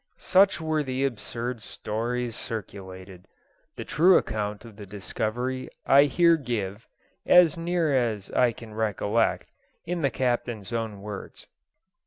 Such were the absurd stories circulated. The true account of the discovery I here give, as near as I can recollect, in the Captain's own words.